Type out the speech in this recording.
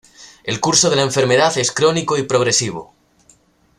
El curso de la enfermedad es crónico y progresivo.